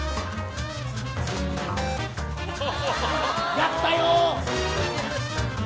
やったよ！